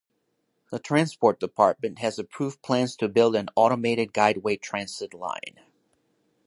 The transport department has approved plans to build an Automated Guideway Transit line.